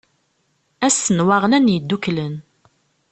Ass n waɣlan yedduklen.